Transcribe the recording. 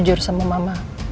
jujur sama mama